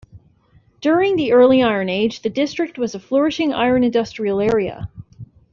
During the early Iron age the district was a flourishing iron industrial area.